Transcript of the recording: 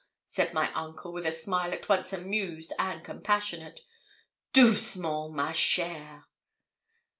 said my uncle, with a smile at once amused and compassionate. 'Doucement! ma chère.'